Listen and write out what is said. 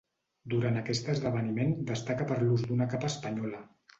Durant aquest esdeveniment destaca per l'ús d'una capa espanyola.